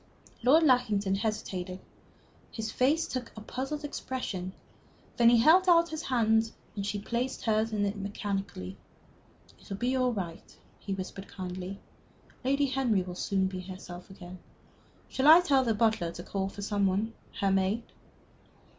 Lord Lackington hesitated. His face took a puzzled expression. Then he held out his hand, and she placed hers in it mechanically. "It will be all right," he whispered, kindly. "Lady Henry will soon be herself again. Shall I tell the butler to call for some one her maid?"